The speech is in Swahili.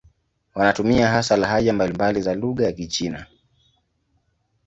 Wanatumia hasa lahaja mbalimbali za lugha ya Kichina.